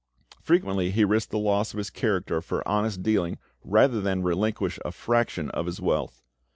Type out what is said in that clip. Frequently he risked the loss of his character for honest dealing rather than relinquish a fraction of his wealth.